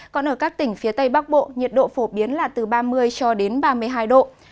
còn ở các tỉnh phía tây bắc bộ nhiệt độ phổ biến là từ ba mươi cho đến ba mươi hai độ